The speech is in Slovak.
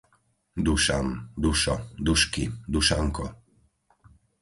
Dušan, Dušo, Dušky, Dušanko